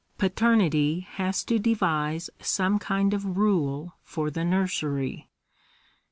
Paternity has to devise some kind of rule for the nursery.